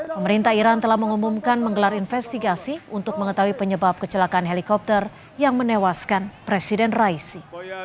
pemerintah iran telah mengumumkan menggelar investigasi untuk mengetahui penyebab kecelakaan helikopter yang menewaskan presiden raisi